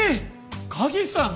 影さんも？